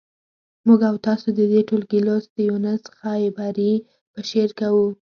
موږ او تاسو د دې ټولګي لوست د یونس خیبري په شعر کوو.